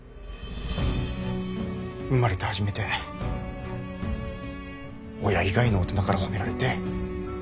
生まれて初めて親以外の大人から褒められて。